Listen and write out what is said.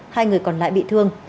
hai người còn lại bị thương